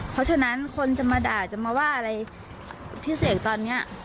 เพราะฉะนั้นคนจะมาด่าจะมาว่าอะไรพี่เสกตอนนี้